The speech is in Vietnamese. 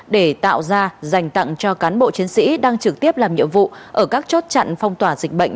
để tạo ra dành tặng cho cán bộ chiến sĩ đang trực tiếp làm nhiệm vụ ở các chốt chặn phong tỏa dịch bệnh